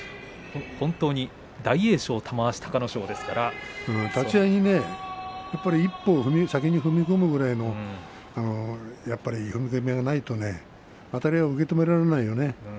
本当に、大栄翔、玉鷲、隆の勝立ち合い一歩先に踏み込むぐらいの踏み込みがないとねあたりを受け止められないよね。